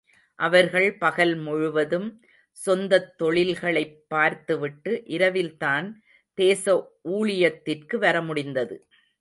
அவர்கள் பகல் முழுவதும் சொந்தத் தொழில்களைப் பார்த்து விட்டு, இரவில்தான் தேச ஊழியத்திற்கு வரமுடிந்தது.